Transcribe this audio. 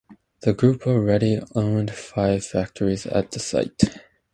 The group already owned five factories at the site.